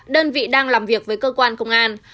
đơn vị đang làm việc với cơ quan công an